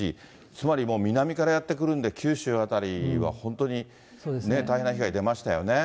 つまりもう南からやって来るんで、九州辺りは、本当に大変な被害出ましたよね。